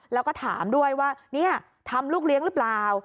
แล้วก็ถามด้วยว่านี่ทำลูกเลี้ยงหรือเปล่า